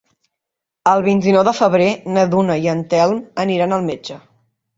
El vint-i-nou de febrer na Duna i en Telm aniran al metge.